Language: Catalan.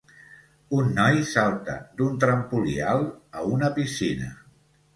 Un noi salta d'un trampolí alt a una piscina.